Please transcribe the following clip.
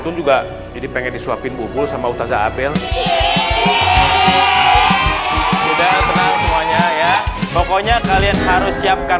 pun juga jadi pengen disuapin bubul sama ustazah abel sudah tenang semuanya ya pokoknya kalian harus siapkan